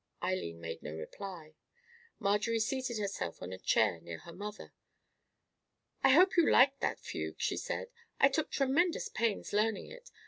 Eileen made no reply. Marjorie seated herself on a chair near her mother. "I hope you liked that fugue?" she said. "I took tremendous pains learning it.